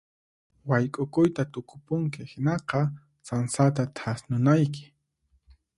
Wayk'uyta tukupunki hinaqa sansata thasnunayki.